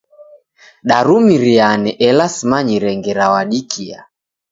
Darumiriane ela simanyire ngera wadikia.